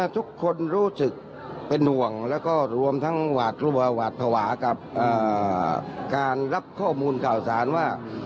ทุกคนรู้สึกเป็นห่วงแล้วก็รวมทั้งหวาดกลัวหวาดภาวะกับการรับข้อมูลข่าวสารว่า